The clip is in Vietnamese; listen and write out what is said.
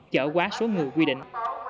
chở quá số người quy định